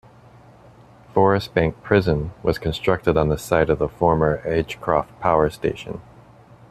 Forest Bank Prison was constructed on the site of the former Agecroft Power Station.